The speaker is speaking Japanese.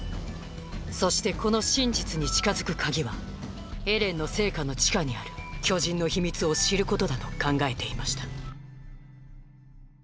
そしてこの真実に近づく鍵はエレンの生家の地下にある巨人の秘密を知ることだと考えていました